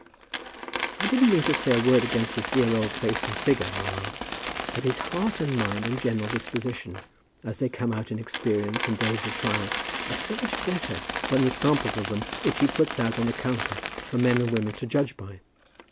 "I didn't mean to say a word against his dear old face and figure, mamma; but his heart, and mind, and general disposition, as they come out in experience and days of trial, are so much better than the samples of them which he puts out on the counter for men and women to judge by.